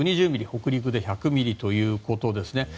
北陸で１００ミリということです。